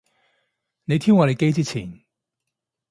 你挑我哋機之前